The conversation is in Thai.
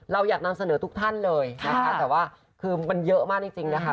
เราอยากนำเสนอทุกท่านเลยนะคะแต่ว่าคือมันเยอะมากจริงนะคะ